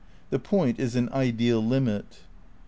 The point is an ideal limit.